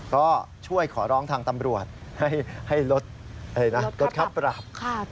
ก็ช่วยขอร้องทางตำรวจให้ลดค่าปรับ